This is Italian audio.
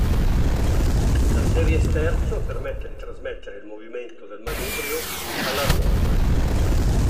La serie sterzo permette di trasmettere il movimento del manubrio alla ruota.